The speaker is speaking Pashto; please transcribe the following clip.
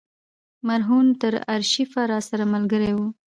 مرهون تر آرشیفه راسره ملګری و.